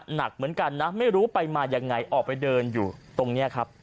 หนักเหมือนกันนะไม่รู้ไปมายังไงออกไปเดินอยู่ตรงนี้ครับ